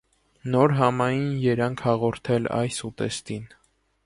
նոր համային երանգ հաղորդել այս ուտեստին։